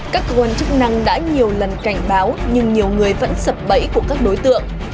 các cơ quan chức năng đã nhiều lần cảnh báo nhưng nhiều người vẫn sập bẫy của các đối tượng